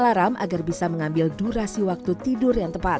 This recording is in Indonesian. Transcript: alarm agar bisa mengambil durasi waktu tidur yang tepat